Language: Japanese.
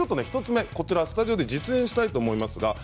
１つ目、こちらスタジオで実演したいと思います。